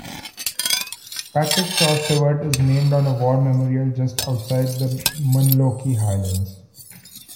Patrick Shaw Stewart is named on a war memorial just outside Munlochy Highlands.